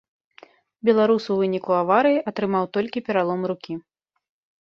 Беларус у выніку аварыі атрымаў толькі пералом рукі.